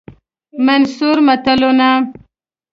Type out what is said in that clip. منثور متلونه